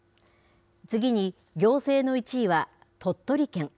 次に行政の１位は鳥取県。